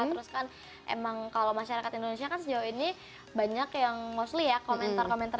terus kan emang kalau masyarakat indonesia kan sejauh ini banyak yang mostly ya komentar komentar